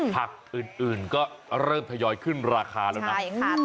ผักอื่นก็เริ่มทยอยขึ้นราคาแล้วนะ